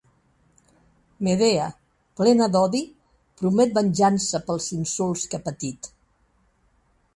Medea, plena d'odi, promet venjança pels insults que ha patit.